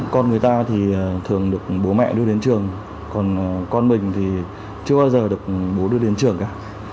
con người ta thì thường được bố mẹ đưa đến trường còn con mình thì chưa bao giờ được bố đưa đến trường cả